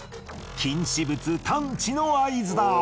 禁止物探知の合図だ。